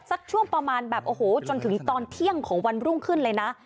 สักช่วงประมาณแบบโอ้โหจนถึงตอนเที่ยงของวันรุ่งขึ้นเลยนะ